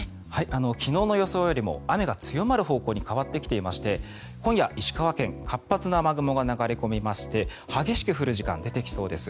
昨日の予想よりも雨が強まる方向に変わってきていまして今夜、石川県活発な雨雲が流れ込みまして激しく降る時間出てきそうです。